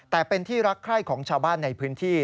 แต่เป็นที่รักใคร่ของชาวบ้านในพื้นที่